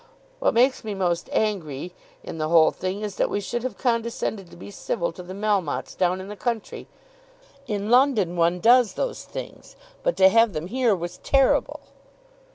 What makes me most angry in the whole thing is that we should have condescended to be civil to the Melmottes down in the country. In London one does those things, but to have them here was terrible!"